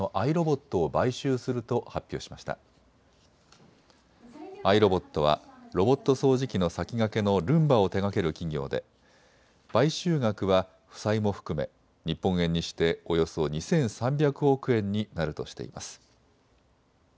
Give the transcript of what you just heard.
アイロボットはロボット掃除機の先駆けのルンバを手がける企業で買収額は負債も含め日本円にしておよそ２３００億円になるとしています。